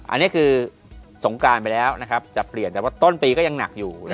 อันนี้คือสงการไปแล้วนะครับจะเปลี่ยนแต่ว่าต้นปีก็ยังหนักอยู่